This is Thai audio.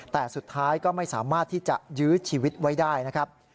แต่สุดท้ายก็ไม่สามารถที่จะยื้อชีวิตไว้ได้นะครับ